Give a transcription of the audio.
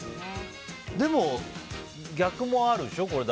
でも、逆もあるでしょ。